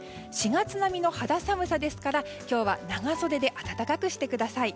４月並みの肌寒さですから今日は長袖で暖かくしてください。